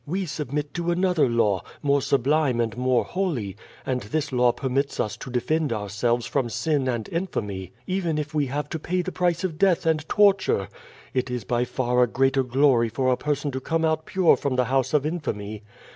We submit to another law, more sublime and more holy, and this law permits us to defend ourselves from sin and infamy, even if we have to pay the price of death and torture. It is by far a greater glory for a person to come out pure from the house of infamy.